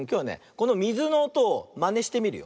このみずのおとをまねしてみるよ。